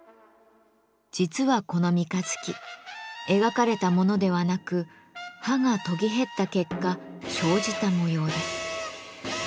実はこの三日月描かれたものではなく刃が研ぎ減った結果生じた模様です。